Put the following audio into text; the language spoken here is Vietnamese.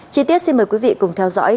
chi tiết xin mời quý vị cùng theo dõi